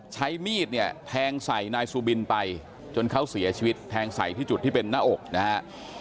ใช้มีดเนี่ยแทงใส่นายสุบินไปจนเขาเสียชีวิตแทงใส่ที่จุดที่เป็นหน้าอกนะฮะ